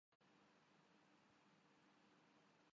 امیتابھبچن کی صاحبزادی شویتا